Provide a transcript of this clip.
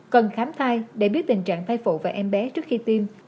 cần khám thai để biết tình trạng thai phụ và em bé trước khi tiêm